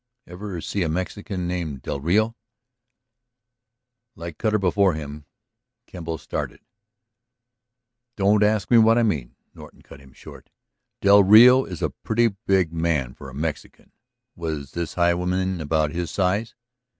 "Ever see a Mexican named del Rio?" Like Cutter before him, Kemble started. "Don't ask me what I mean," Norton cut him short. "Del Rio is a pretty big man for a Mexican; was this highwayman about his size?"